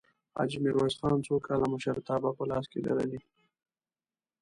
حاجي میرویس خان څو کاله مشرتابه په لاس کې لرلې؟